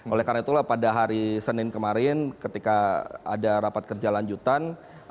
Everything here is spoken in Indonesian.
oleh karena itulah pada hari senin kemarin ketika ada rapat kerja lanjutan